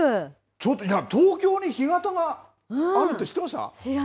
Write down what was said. ちょっと東京に干潟があるって知ってました？